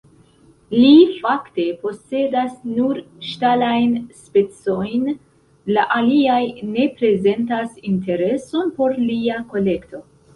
Li fakte posedas nur ŝtalajn specojn, la aliaj ne prezentas intereson por lia kolekto.